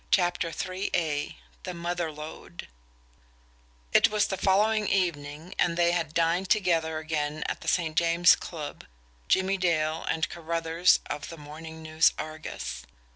CHAPTER III THE MOTHER LODE It was the following evening, and they had dined together again at the St. James Club Jimmie Dale, and Carruthers of the MORNING NEWS ARGUS.